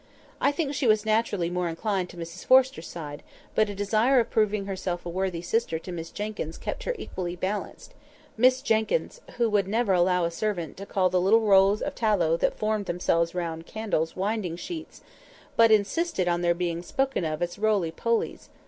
I think she was naturally more inclined to Mrs Forrester's side, but a desire of proving herself a worthy sister to Miss Jenkyns kept her equally balanced—Miss Jenkyns, who would never allow a servant to call the little rolls of tallow that formed themselves round candles "winding sheets," but insisted on their being spoken of as "roley poleys!"